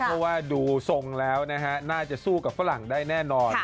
เพราะว่าดูทรงแล้วนะฮะน่าจะสู้กับฝรั่งได้แน่นอน